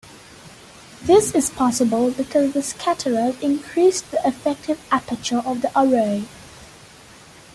This is possible because the scatterers increased the effective aperture of the array.